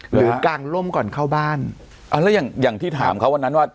กลางล่มก่อนเข้าบ้านเอาแล้วอย่างอย่างที่ถามเขาวันนั้นว่า